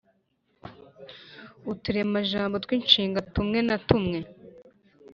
uturemajambo tw’inshinga tumwe na tumwe